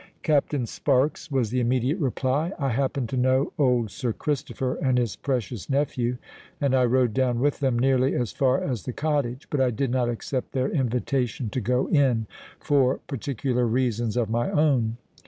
"Captain Sparks," was the immediate reply. "I happen to know old Sir Christopher and his precious nephew; and I rode down with them nearly as far as the cottage. But I did not accept their invitation to go in—for particular reasons of my own.